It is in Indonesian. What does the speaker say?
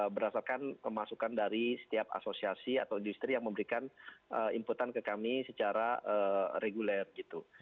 berdasarkan pemasukan dari setiap asosiasi atau industri yang memberikan inputan ke kami secara reguler gitu